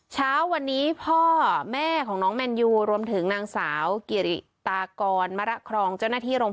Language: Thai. เช้าวันนี้พ่อแม่ของน้องแมนยูรวมถึงนางสาวกิริตากรมระครองเจ้าหน้าที่โรง